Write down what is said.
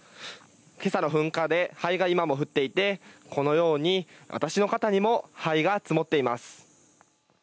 けさの噴火で灰が今も降っていてこのように私の肩にも灰が積もっています。